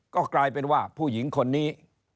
ก็กลายเป็นว่าผู้หญิงคนนี้